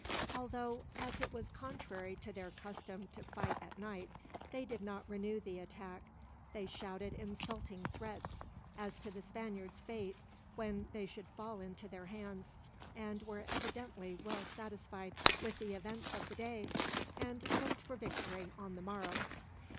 Although as it was contrary to their custom to fight at night they did not renew the attack, they shouted insulting threats as to the Spaniards' fate, when they should fall into their hands; and were evidently well satisfied with the events of the day, and looked for victory on the morrow.